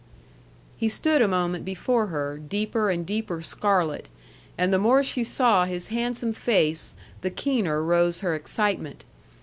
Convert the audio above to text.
He stood a moment before her, deeper and deeper scarlet; and the more she saw his handsome face, the keener rose her excitement.